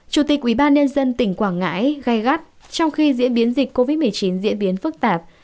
chủ tịch ubnd tỉnh quảng ngãi gai gắt trong khi diễn biến dịch covid một mươi chín diễn biến phức tạp